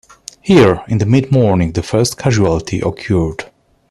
Here, in the midmorning, the first casualty occurred.